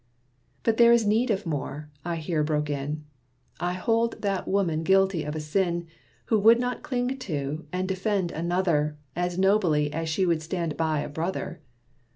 "But there is need of more!" I here broke in. "I hold that woman guilty of a sin, Who would not cling to, and defend another, As nobly as she would stand by a brother.